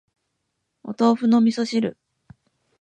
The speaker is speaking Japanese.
お豆腐の味噌汁